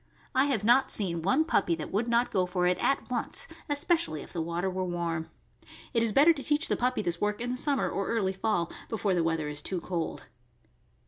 I have not seen one puppy that would not go for it at once, especially if the water were warm. It is better to teach the puppy this work in the summer or early fall, before the weather is too cold.